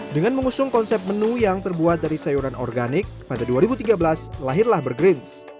dengan mengusung konsep menu yang terbuat dari sayuran organik pada dua ribu tiga belas lahirlah burgerins